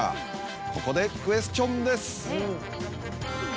ここでクエスチョンです！